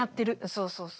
そうそうそう。